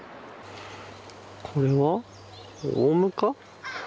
これはオウムか。